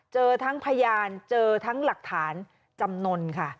เจอทั้งพยานเจอทั้งหลักฐานจำนวนค่ะ